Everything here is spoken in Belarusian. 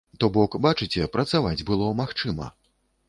То бок, бачыце, працаваць было магчыма.